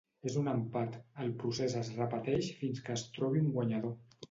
En un empat, el procés es repeteix fins que es trobi un guanyador.